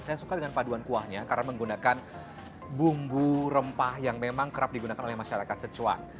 saya suka dengan paduan kuahnya karena menggunakan bumbu rempah yang memang kerap digunakan oleh masyarakat secuan